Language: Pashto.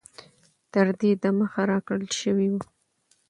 تر دې د مخه را كړل شوي وې